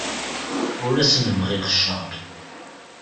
Ur asen-bɣiɣ cceṛ.